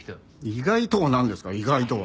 意外とはなんですか意外とは。